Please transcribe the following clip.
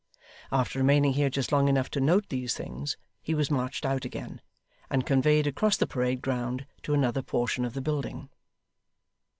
After remaining here just long enough to note these things, he was marched out again, and conveyed across the parade ground to another portion of the building.